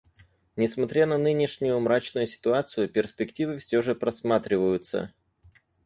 Несмотря на нынешнюю мрачную ситуацию, перспективы все же просматриваются.